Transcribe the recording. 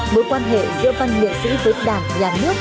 mối quan hệ giữa văn nghệ sĩ và các văn nghệ sĩ